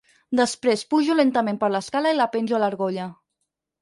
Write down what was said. Després pujo lentament per l'escala i la penjo a l'argolla.